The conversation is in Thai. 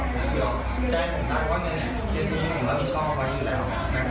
แจ้งคุณตาว่าเนี่ยที่ที่นี่มันไม่ชอบไว้อยู่แล้ว